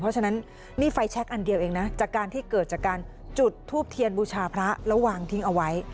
เพราะฉะนั้นนี่ไฟแชคอันเดียวเองนะจากการที่เกิดจากการจุดทูบเทียนบูชาพระแล้ววางทิ้งเอาไว้